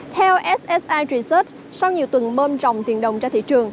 theo ssi research sau nhiều tuần bơm rồng tiền đồng ra thị trường